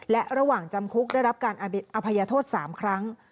และระหว่างจำคุกได้รับการอภัยโทษ๓ครั้ง